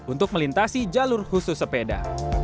untuk melintasi jalur khusus sepeda